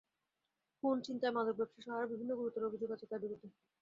খুন, ছিনতাই, মাদক ব্যবসাসহ আরও বিভিন্ন গুরুতর অভিযোগ আছে তাঁর বিরুদ্ধে।